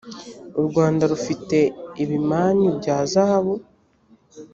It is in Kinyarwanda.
u rwanda rufite ibimanyu bya zahabu